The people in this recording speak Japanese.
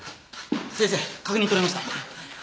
先生確認取れました。